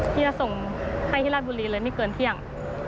ที่จะส่งให้ที่ราชบุรีเลยไม่เกินเที่ยง